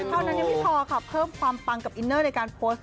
เท่านั้นยังไม่พอค่ะเพิ่มความปังกับอินเนอร์ในการโพสต์